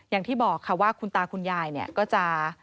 อย่างที่บอกค่ะว่าคุณตาคุณยายเนี่ยก็จะ